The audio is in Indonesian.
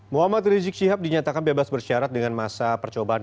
muhammad rizik syihab dinyatakan bebas bersyarat dengan masa percobaan